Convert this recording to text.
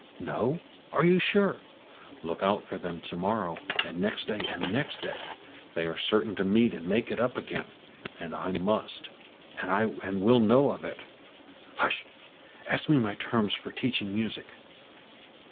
No? Are you sure? Look out for them to morrow, and next day, and next day. They are certain to meet and make it up again, and I must and will know of it. Hush! Ask me my terms for teaching music.